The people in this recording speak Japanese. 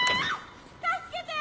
助けて！